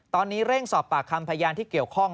ตอนนี้เร่งสอบปากคำพยานที่เกี่ยวข้อง